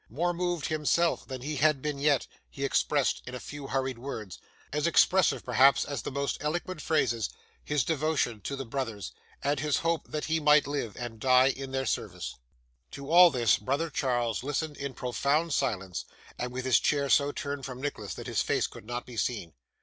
More moved himself than he had been yet, he expressed in a few hurried words as expressive, perhaps, as the most eloquent phrases his devotion to the brothers, and his hope that he might live and die in their service. To all this, brother Charles listened in profound silence, and with his chair so turned from Nicholas that his face could not be seen.